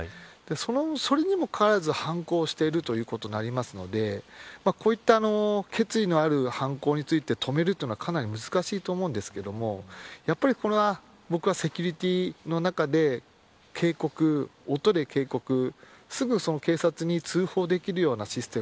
それにもかかわらず犯行しているということになるのでこういった決意のある犯行について止めるのはかなり難しいと思うんですけどやはり、これは僕はセキュリティーの中で警告、音で警告するすぐ警察に通報できるようなシステム。